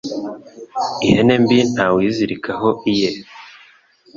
Ihene mbi ntawe uyizirikaho iye